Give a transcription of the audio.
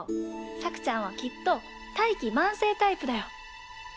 さくちゃんはきっと大器晩成タイプだよ。